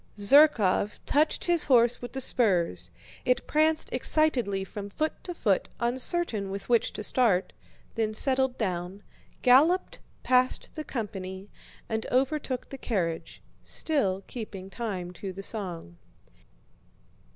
Zherkóv touched his horse with the spurs; it pranced excitedly from foot to foot uncertain with which to start, then settled down, galloped past the company, and overtook the carriage, still keeping time to the song.